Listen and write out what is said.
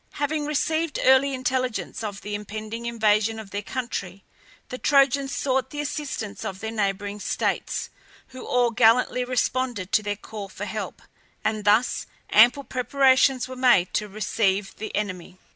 Having received early intelligence of the impending invasion of their country, the Trojans sought the assistance of the neighbouring states, who all gallantly responded to their call for help, and thus ample preparations were made to receive the enemy.